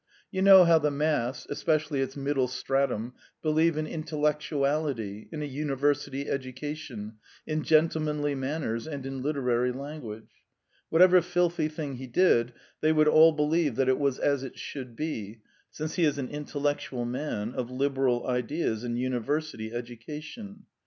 You know how the mass, especially its middle stratum, believe in intellectuality, in a university education, in gentlemanly manners, and in literary language. Whatever filthy thing he did, they would all believe that it was as it should be, since he is an intellectual man, of liberal ideas and university education.